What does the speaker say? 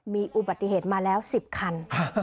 มีอุบัติเหตุมาแล้ว๑๐คัน